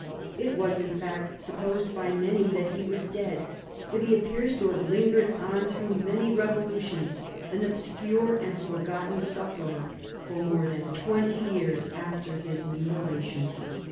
It was, in fact, supposed by many that he was dead, but he appears to have lingered on through many revolutions, an obscure and for gotten sufferer, for more than twenty years after his mutilation.